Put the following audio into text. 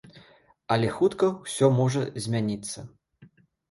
Але хутка ўсё можа змяніцца.